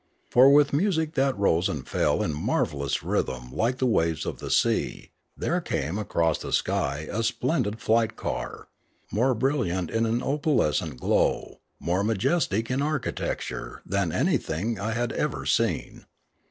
For with music that rose and fell in marvellous rhythm like the waves of the sea there came across the sky a splendid flight car, more brilliant in opalescent glow, more ma jestic in architecture, than anything I had ever seen.